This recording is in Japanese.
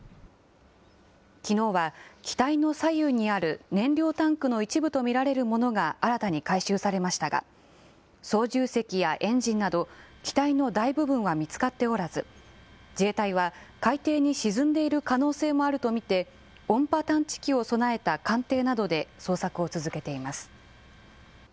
きのうは機体の左右にある燃料タンクの一部と見られるものが新たに回収されましたが、操縦席やエンジンなど、機体の大部分は見つかっておらず、自衛隊は海底に沈んでいる可能性もあると見て、音波探知機を備えた艦艇などで捜索を続けています。